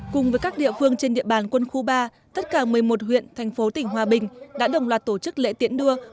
cùng với các địa phương trên địa bàn quân khu ba tất cả một mươi một huyện thành phố tỉnh hòa bình đã đồng loạt tổ chức lễ tiễn đưa